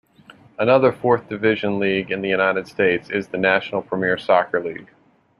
Another fourth-division league in the United States is the National Premier Soccer League.